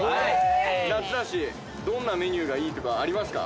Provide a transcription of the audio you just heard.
夏だしどんなメニューがいいとかありますか？